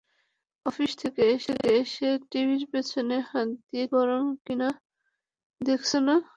Office থেকে এসে টিভির পেছনে হাত দিয়ে টিভি গরম কিনা দেখছে না।